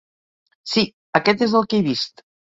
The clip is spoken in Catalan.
Sí, aquest és el que he vist.